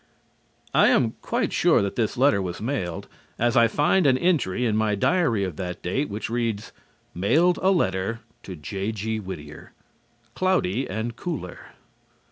I am quite sure that this letter was mailed, as I find an entry in my diary of that date which reads: "Mailed a letter to J.G. Whittier. Cloudy and cooler."